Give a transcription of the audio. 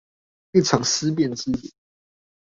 一場思辨之旅